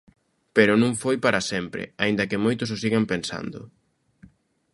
Pero non foi para sempre, aínda que moitos o sigan pensando.